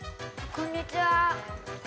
こんにちは。